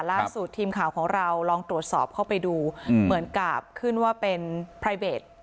ล่าสุดทีมข่าวของเราลองตรวจสอบเข้าไปดูเหมือนกับขึ้นว่าเป็นไพรเบส